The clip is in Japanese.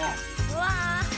うわ。